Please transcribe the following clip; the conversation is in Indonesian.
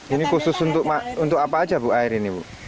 ini khusus untuk apa aja bu air ini bu